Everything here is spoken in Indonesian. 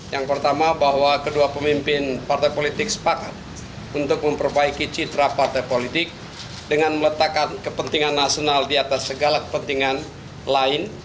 yang pertama bahwa kedua pemimpin partai politik sepakat untuk memperbaiki citra partai politik dengan meletakkan kepentingan nasional di atas segala kepentingan lain